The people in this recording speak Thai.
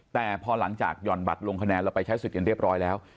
แต่พอหลังจากหย่อนบัตรลงคะแนนเราไปใช้สิทธิ์กันเรียบร้อยแล้ว